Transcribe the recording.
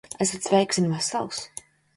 Esat sveiks un vesels?